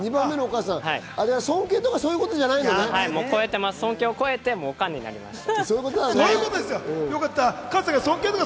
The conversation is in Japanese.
尊敬とかそういうことじゃな尊敬を越えてオカンになりました。